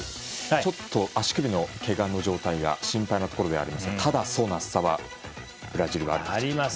ちょっと足首のけがの状態が心配なところではありますがただ層の厚さはブラジルはあると。